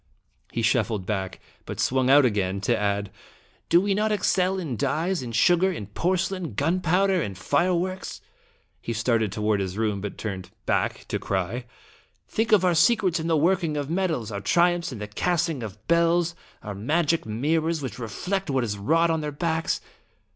He shuffled back, but swung out again to add: " Do we not excel in dyes, in sugar, in porce lain, gunpowder, and fireworks?" He started toward his room, but turned back to cry: "Think of our secrets in the working of metals, our triumphs in the casting of bells, our magic mirrors which reflect what is wrought on their backs!"